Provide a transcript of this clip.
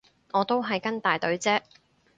我都係跟大隊啫